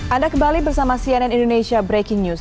anda kembali bersama cnn indonesia breaking news